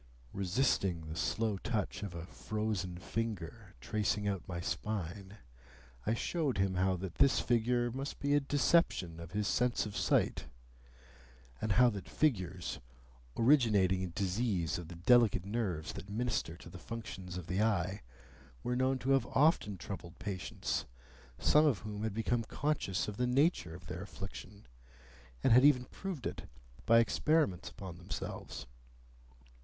'" Resisting the slow touch of a frozen finger tracing out my spine, I showed him how that this figure must be a deception of his sense of sight; and how that figures, originating in disease of the delicate nerves that minister to the functions of the eye, were known to have often troubled patients, some of whom had become conscious of the nature of their affliction, and had even proved it by experiments upon themselves.